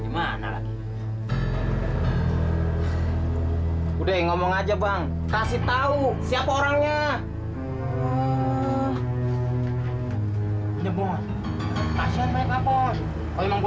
kalau emang gue tahu kasih tahu aja orangnya ya nggak